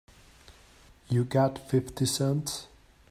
You got fifty cents?